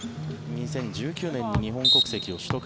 ２０１９年に日本国籍を取得。